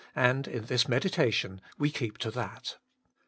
and in this meditation we keep to that.